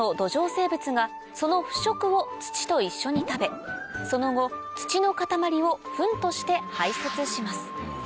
生物がその腐植を土と一緒に食べその後土の塊をふんとして排せつします